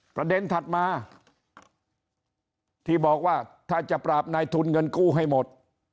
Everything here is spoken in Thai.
ถัดมาที่บอกว่าถ้าจะปราบนายทุนเงินกู้ให้หมด